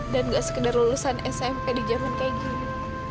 dan nggak sekedar lulusan smp di zaman kayak gini